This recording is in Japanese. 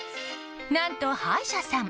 何と歯医者さん。